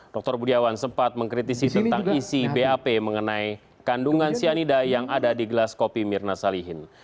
dr budiawan sempat mengkritisi tentang isi bap mengenai kandungan cyanida yang ada di gelas kopi mirna salihin